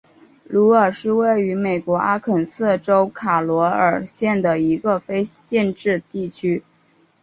鲁尔是位于美国阿肯色州卡罗尔县的一个非建制地区。